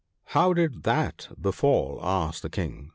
"* How did that befall ?' asked the King.